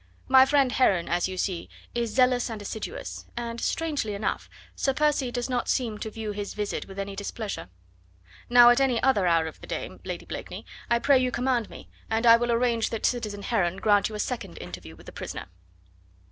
My friend Heron, as you see, is zealous and assiduous, and, strangely enough, Sir Percy does not seem to view his visit with any displeasure. Now at any other hour of the day, Lady Blakeney, I pray you command me and I will arrange that citizen Heron grant you a second interview with the prisoner."